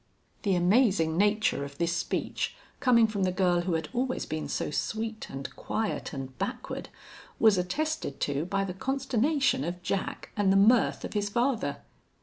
The amazing nature of this speech, coming from the girl who had always been so sweet and quiet and backward, was attested to by the consternation of Jack and the mirth of his father.